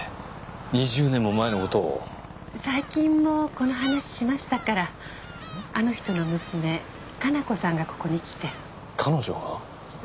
２０年も前のことを最近もこの話しましたからあの人の娘・加奈子さんがここに来て彼女が？